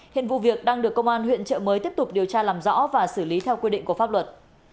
hiện vụ việc đang được công an huyện trợ mới tiếp tục điều tra làm rõ và xử lý theo quy định của pháp luật